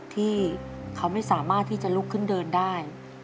ที่เขาไม่สามารถที่จะลุกขึ้นเดินได้